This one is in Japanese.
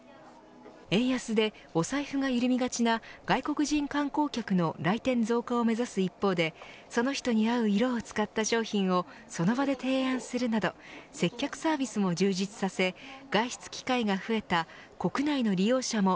円安でお財布が緩みがちな外国人観光客の来店増加を目指す一方でその人に合う色を使った商品をその場で提案するなど接客サービスも充実させ外出機会が増えた国内の利用者も